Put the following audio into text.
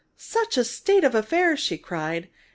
"Such a state of affairs!" she cried.